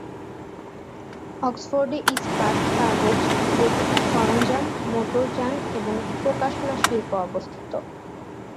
অক্সফোর্ডে ইস্পাত, কাগজ, বৈদ্যুতিক সরঞ্জাম, মোটরযান এবং প্রকাশনা শিল্প অবস্থিত।